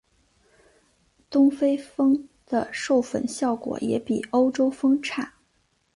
东非蜂的授粉效果也比欧洲蜂差。